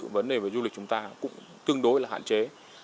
vấn đề về du lịch chúng ta cũng tương đối là hạn chế